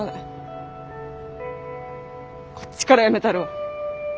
こっちから辞めたるわ。